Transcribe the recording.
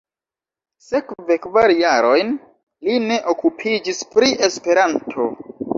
Sekve kvar jarojn li ne okupiĝis pri Esperanto.